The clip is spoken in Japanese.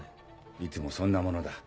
いつもそんなものだ。